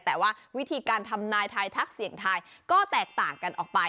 แต่ว่าวิธีการทำนายทายทักเสี่ยงทายก็แตกต่างกันออกไป